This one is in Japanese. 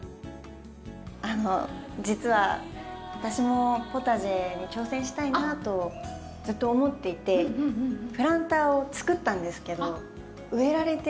あの実は私もポタジェに挑戦したいなとずっと思っていてプランターを作ったんですけど植えられていなくて。